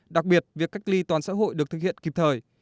đặc biệt việc cách ly toàn xã hội được thực hiện kịp thời